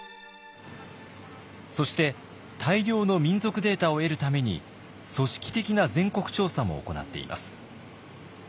そして大量の民俗データを得るために組織的な全国調査も行っています。